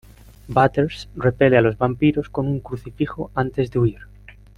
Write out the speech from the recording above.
Butters repele a los vampiros con un crucifijo antes de huir.